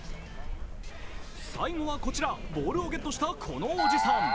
最後はこちらボールをゲットしたこちらのおじさん。